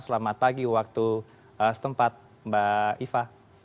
selamat pagi waktu setempat mbak iva